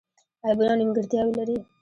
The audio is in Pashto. عیبونه او نیمګړتیاوې لري.